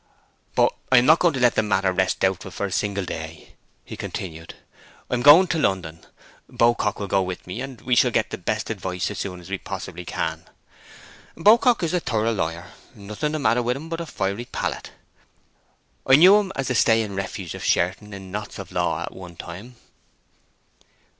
"But I'm not going to let the matter rest doubtful for a single day," he continued. "I am going to London. Beaucock will go with me, and we shall get the best advice as soon as we possibly can. Beaucock is a thorough lawyer—nothing the matter with him but a fiery palate. I knew him as the stay and refuge of Sherton in knots of law at one time."